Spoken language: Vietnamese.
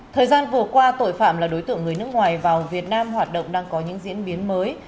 thời gian vừa qua tội phạm là đối tượng người nước ngoài vào việt nam hoạt động đang có những diễn biến mới